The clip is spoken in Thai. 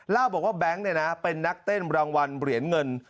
เล่าบอกว่าแบงค์เป็นนักเต้นรางวัลเหรียญเงิน